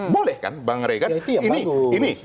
boleh kan mbak eri